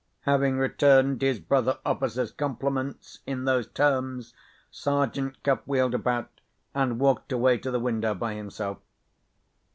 Having returned his brother officer's compliments in those terms, Sergeant Cuff wheeled about, and walked away to the window by himself.